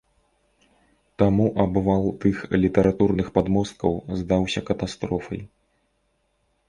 Таму абвал тых літаратурных падмосткаў здаўся катастрофай.